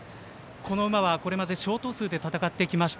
この馬は、これまで小頭数で戦ってきました。